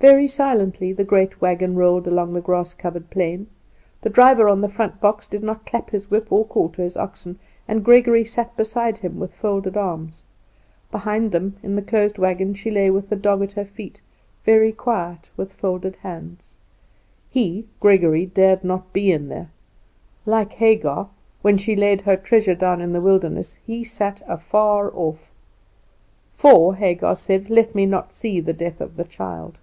Very silently the great wagon rolled along the grass covered plain. The driver on the front box did not clap his whip or call to his oxen, and Gregory sat beside him with folded arms. Behind them, in the closed wagon, she lay with the dog at her feet, very quiet, with folded hands. He, Gregory, dared not be in there. Like Hagar, when she laid her treasure down in the wilderness, he sat afar off: "For Hagar said, Let me not see the death of the child."